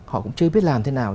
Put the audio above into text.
họ cũng chưa biết làm thế nào